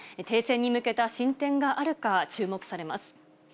停戦に向けた進展があるか注目されます。